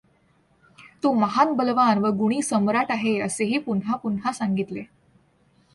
तो महान बलवान व गुणी सम्राट आहे असेहि पुन्हापुन्हा सांगितले.